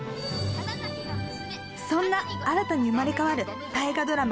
そんな新たに生まれ変わる大河ドラマ「篤姫」。